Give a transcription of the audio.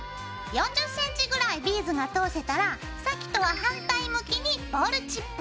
４０ｃｍぐらいビーズが通せたらさっきとは反対向きにボールチップ。